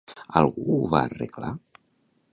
Algú ho va arreglar?